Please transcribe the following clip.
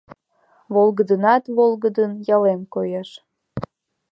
Волгыдынат-волгыдын ялем коеш.